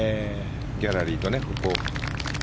ギャラリーとね。